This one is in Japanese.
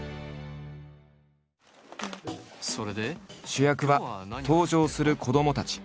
主役は登場する子どもたち。